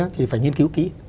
thì phải nghiên cứu kỹ